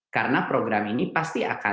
karena program ini pasti akan berhasil